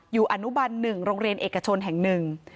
อยู่อนุบัน๑โรงเรียนเอกชนแห่ง๑